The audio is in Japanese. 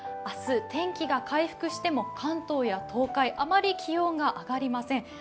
明日、天気が回復しても関東や東海あまり気温が上がりません。